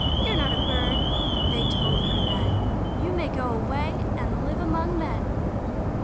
"You're not a Bird!" they told her then, "You may go away and live among men!"